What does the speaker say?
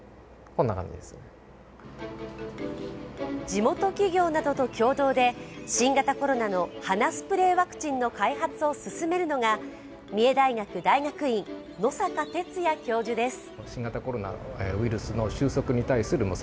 地元企業などと共同で新型コロナの鼻スプレーワクチンの開発を進めるのが三重大学大学院、野阪哲哉教授です。